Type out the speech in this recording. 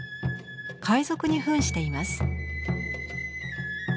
海賊に扮しています。